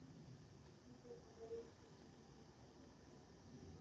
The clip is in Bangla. বুড়ির আবার এসব অচেনা দুনিয়া দেখার কি দরকার পড়ল?